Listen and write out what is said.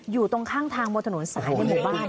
อยู่ตรงข้างทางบนถนนสายในหมู่บ้าน